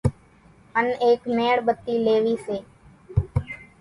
ان ايڪ ميڻ ٻتي ليوي سي،